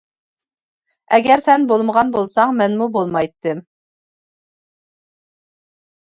ئەگەر سەن بولمىغان بولساڭ، مەنمۇ بولمايتتىم.